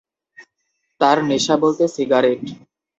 তার নেশা বলতে সিগারেট।